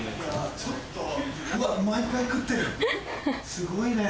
すごいね。